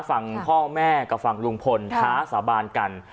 ฝั่งพ่อแม่กับฝั่งลุงพลท้าสาบานกัน